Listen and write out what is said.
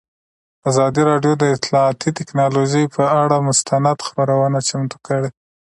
ازادي راډیو د اطلاعاتی تکنالوژي پر اړه مستند خپرونه چمتو کړې.